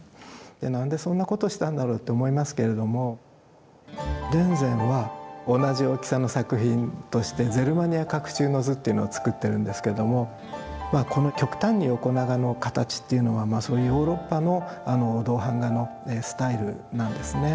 何でそんなことしたんだろうって思いますけれども田善は同じ大きさの作品として「ゼルマニヤ廓中之図」っていうのを作ってるんですけどもこの極端に横長の形っていうのはそういうヨーロッパの銅版画のスタイルなんですね。